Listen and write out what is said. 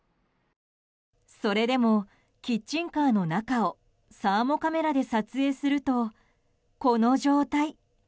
それでもキッチンカーの中をサーモカメラで撮影するとこの状態。